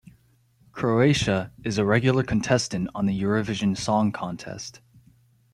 Croatia is a regular contestant on the Eurovision Song Contest.